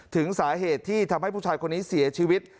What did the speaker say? ถึงสาเหตุที่ทำให้ผู้ชายคนนี้เสียชีวิต